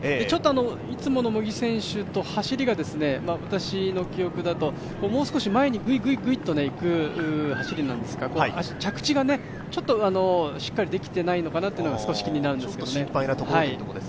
ちょっといつもの茂木選手と走りが、私の記憶だともう少し前にグイグイと行く走りなんですが、着地がちょっとしっかりできてないのかなというのが気になりますね。